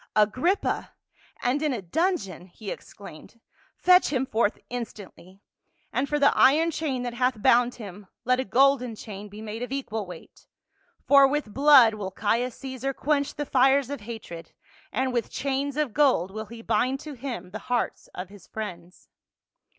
"Agrippa ! and in a dungeon !" he exclaimed, " Fetch him forth instantly ; and for the iron chain that hath bound him, let a golden chain be made of equal weight. For with blood will Caius Caesar quench the fires of hatred, and with chains of gold will he bind to him the hearts of his friends."